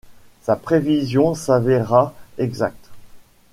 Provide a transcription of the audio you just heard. Sa prévision s’avéra exacte.